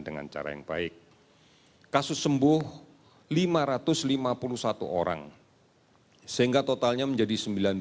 yang terakhir kasus sembuh lima ratus lima puluh satu orang sehingga totalnya menjadi sembilan empat ratus empat puluh tiga